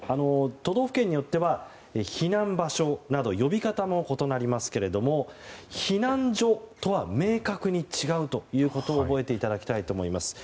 都道府県によっては避難場所など呼び方も異なりますけれども避難所とは明確に違うということを覚えていただきたいと思います。